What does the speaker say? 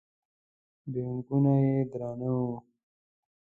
بیکونه یې درانه وو.